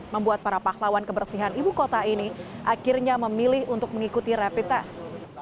membuat para pahlawan kebersihan ibu kota ini akhirnya memilih untuk mengikuti rapid test